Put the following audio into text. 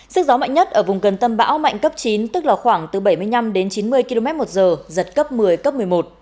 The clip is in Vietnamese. sức gió mạnh nhất ở vùng gần tâm bão mạnh cấp chín tức là khoảng từ bảy mươi năm đến chín mươi km một giờ giật cấp một mươi cấp một mươi một